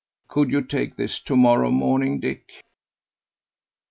Could you take this to morrow morning, Dick?"